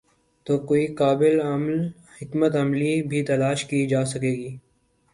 تو کوئی قابل عمل حکمت عملی بھی تلاش کی جا سکے گی۔